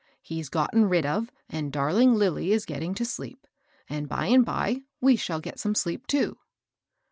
He's gotten rid of; and darling Lilly is getting to deep ; and, by and by, we shall get some sleep, too."